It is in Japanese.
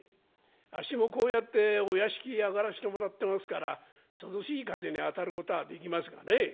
あっしもこうやってお屋敷上がらしてもらってますから涼しい風に当たることはできますがね。